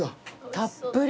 たっぷり。